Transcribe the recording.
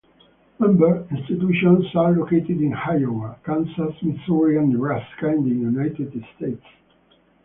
Member institutions are located in Iowa, Kansas, Missouri, and Nebraska in the United States.